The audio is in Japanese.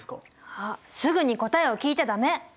あっすぐに答えを聞いちゃ駄目！